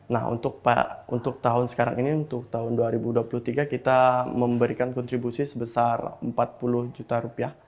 nah untuk tahun sekarang ini untuk tahun dua ribu dua puluh tiga kita memberikan kontribusi sebesar empat puluh juta rupiah